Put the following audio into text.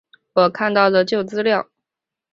我看到旧的资料